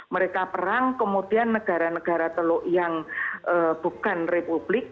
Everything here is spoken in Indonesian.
mereka perang kemudian negara negara teluk yang bukan republik